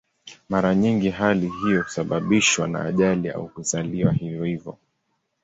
Mara nyingi hali hiyo husababishwa na ajali au kuzaliwa hivyo hivyo.